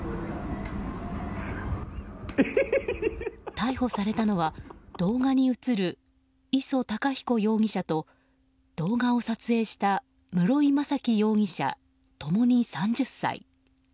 逮捕されたのは動画に映る礒隆彦容疑者と動画を撮影した室井大樹容疑者共に３０歳。